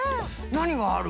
なにがある？